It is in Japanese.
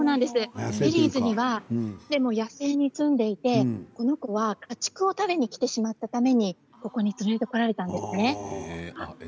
野生に住んでいてこの子は家畜を食べに来てしまったためにここに連れて来られたんですね。